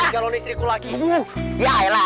jangan ganggu jalur istriku lagi